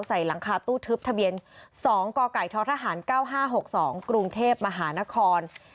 หลังคาตู้ทึบทะเบียน๒กกททหาร๙๕๖๒กรุงเทพมหานคร